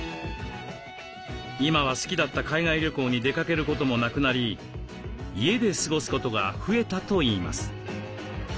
今は好きだった海外旅行に出かけることもなくなり家で過ごすことが増えたといいます。